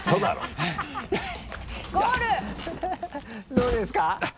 どうですか？